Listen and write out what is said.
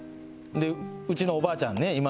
でうちのおばあちゃんね。